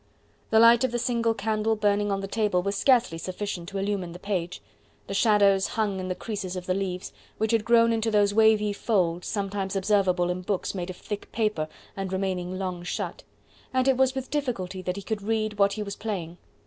The light of the single candle burning on the table was scarcely sufficient to illumine the page; the shadows hung in the creases of the leaves, which had grown into those wavy folds sometimes observable in books made of thick paper and remaining long shut; and it was with difficulty that he could read what he was playing.